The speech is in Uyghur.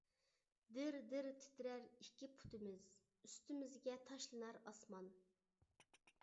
دىر-دىر تىترەر ئىككى پۇتىمىز، ئۈستىمىزگە تاشلىنار ئاسمان.